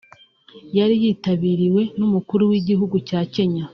yari yitabiriwe n’Umukuru w’igihugu cya Kenya